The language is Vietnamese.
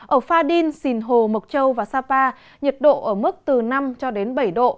ở pha đin xìn hồ mộc châu và sapa nhiệt độ ở mức từ năm cho đến bảy độ